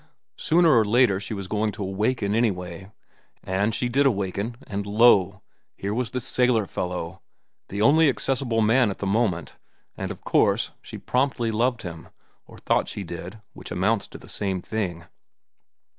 Sooner or later she was going to awaken anyway; and she did awaken, and lo! here was this sailor fellow, the only accessible man at the moment, and of course she promptly loved him, or thought she did, which amounts to the same thing."